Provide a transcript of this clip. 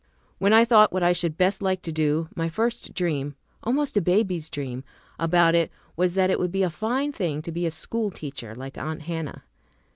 When I thought what I should best like to do, my first dream almost a baby's dream about it was that it would be a fine thing to be a schoolteacher, like Aunt Hannah.